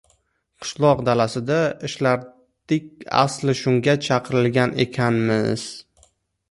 Qishloq dalasida ishlardik asli shunga chaqirilgan ekanmiz